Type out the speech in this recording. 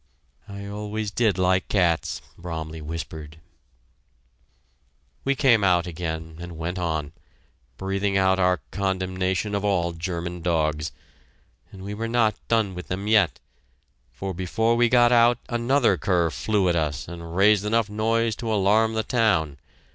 "I always did like cats," Bromley whispered. We came out again and went on, breathing out our condemnation of all German dogs. And we were not done with them yet! For before we got out another cur flew at us and raised enough noise to alarm the town.